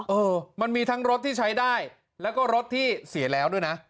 เออมันมีทั้งรถที่ใช้ได้แล้วก็รถที่เสียแล้วด้วยนะ